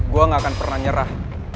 gue gak akan pernah nyerah